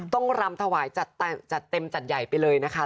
รำถวายจัดเต็มจัดใหญ่ไปเลยนะคะ